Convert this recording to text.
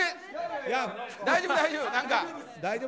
大丈夫、大丈夫。